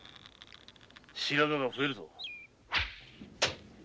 白髪が増えるぞ。